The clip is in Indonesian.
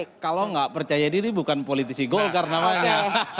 ya kalau tidak percaya diri bukan politisi golkar namanya